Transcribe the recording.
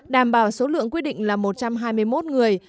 đảm bảo số lượng quy định là một trăm hai mươi một người